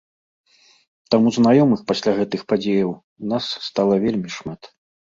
Таму знаёмых пасля гэтых падзеяў у нас стала вельмі шмат.